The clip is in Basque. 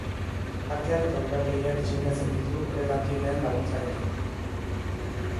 Parkeak eta lorategiak diseinatzen ditu bere lankideen laguntzarekin.